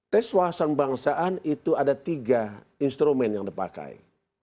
tes pembahasan kebangsaan itu ada tiga instrumen yang dipakai